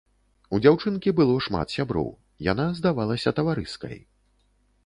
У дзяўчынкі было шмат сяброў, яна здавалася таварыскай.